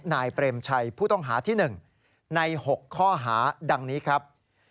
นายเปรมชัยผู้ต้องหาที่๑ใน๖ข้อหาดังนี้ครับ